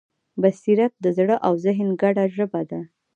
بصیرت د زړه او ذهن ګډه ژبه ده.